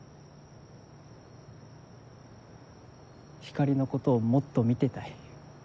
ひかりのことをもっと見てたい。